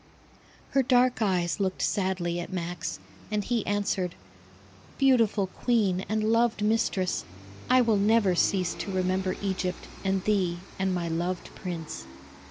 Her dark eyes looked sadly at Max, and he answered, "Beautiful queen and loved mistress, I will never cease to remember Egypt and thee and my loved prince."